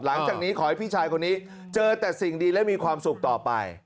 หลังจากนี้ขอให้พี่ชายคนนี้เจอแต่สิ่งดีและมีความสุขต่อไป